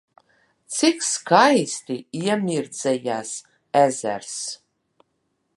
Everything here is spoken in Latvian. Cik skaisti iemirdzējās ezers!